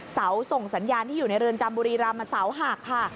ส่งสัญญาณที่อยู่ในเรือนจำบุรีรำเสาหักค่ะ